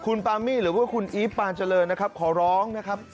คุณปามี่หรือว่าคุณอีฟปานเจริญนะครับขอร้องนะครับ